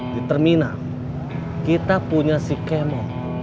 di terminal kita punya si kemo